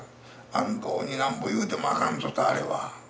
安藤になんぼ言うてもあかんぞとあれは。